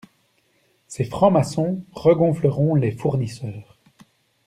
Ces francs-maçons regonfleront les fournisseurs.